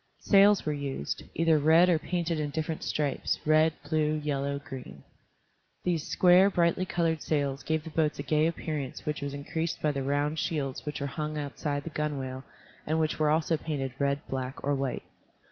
Sails were used, either red or painted in different stripes, red, blue, yellow, green. These square, brightly colored sails gave the boats a gay appearance which was increased by the round shields which were hung outside the gunwale and which were also painted red, black, or white.